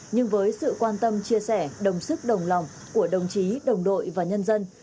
nhưng với sự quan tâm chia sẻ đồng sức đồng lòng của đồng chí đồng đội và nhân dân